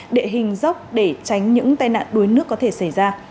đệ hình dốc để tránh những tai nạn đuối nước có thể xảy ra